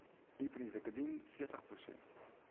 Iepenje de gerdinen fjirtich prosint.